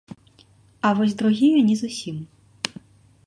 А вось другія не зусім.